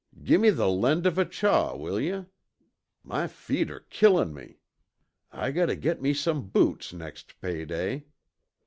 "Gimme the lend of a chaw, will yuh?"... "My feet're killin' me."... "I gotta git me some boots next payday."...